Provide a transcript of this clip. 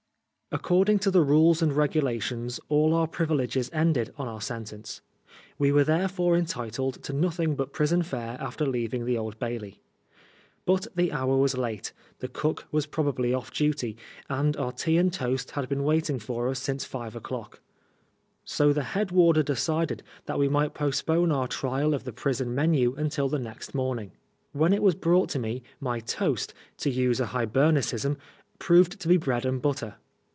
According to the "rules and regulations," all our privileges ended on our sentence. We were therefore entitled to nothing but prison fare after leaving the Old Bailey. But the hour was late, the cook was pro bably off duty, and our tea and toast had been waiting for us since five o'clock ; so the head warder decided 108 PRISONER FOR BLASPHEMY. that we might postpone our trial of the prison memt^ until the morning. When it was brought to me, my toast (to use an Hibernicism) proved to be bread and butter.